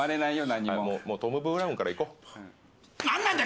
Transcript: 何ももうトム・ブラウンからいこう何なんだ